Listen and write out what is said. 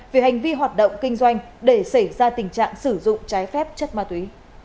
về hành vi hoạt động kinh doanh để xảy ra tình trạng sử dụng trái phép chất ma túy